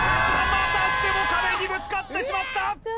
またしても壁にぶつかってしまった！